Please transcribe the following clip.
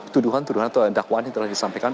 tuduhan tuduhan atau dakwaan yang telah disampaikan